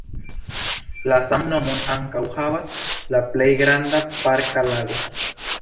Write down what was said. La saman nomon ankaŭ havas la plej granda parka lago.